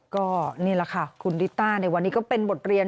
ก็นี่แหละค่ะคุณลิต้าในวันนี้ก็เป็นบทเรียน